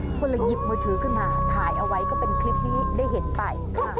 ก็เลยหยิบมือถือขึ้นมาถ่ายเอาไว้ก็เป็นคลิปที่ได้เห็นไป